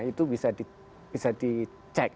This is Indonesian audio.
itu bisa dicek